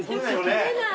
取れない。